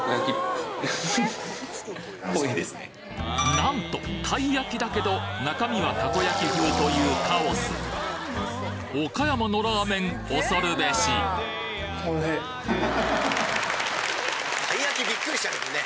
なんとたい焼きだけど中身はたこ焼き風というカオス岡山のラーメン恐るべしたい焼きビックリしたけどね。